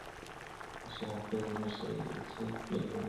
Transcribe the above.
• هر څوک د خپل ضمير سره يو څه جګړه لري..